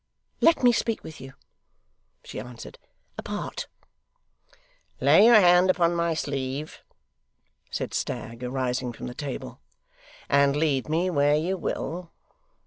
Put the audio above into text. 'Let me speak with you,' she answered, 'apart.' 'Lay your hand upon my sleeve,' said Stagg, arising from the table; 'and lead me where you will.